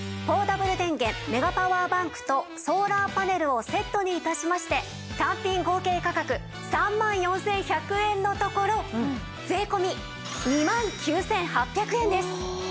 ポータブル電源メガパワーバンクとソーラーパネルをセットに致しまして単品合計価格３万４１００円のところ税込２万９８００円です。